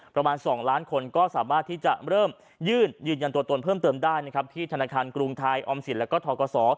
ประมาณ๒ล้านคนก็สามารถที่จะเริ่มยื่นยืนยันตัวตนเพิ่มเติมได้นะครับที่ธนาคารกรุงไทยออมสินแล้วก็ทกศ